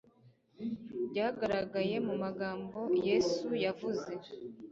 ryagaragaye mu magambo Yesu yavuze,